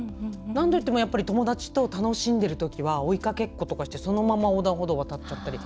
何度言っても、やっぱり友達と楽しんでるときは追いかけっことかしてそのまま横断歩道渡っちゃったり。